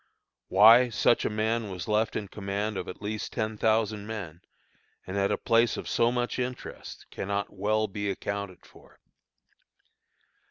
Why such a man was left in command of at least ten thousand men, and at a place of so much interest, cannot well be accounted for.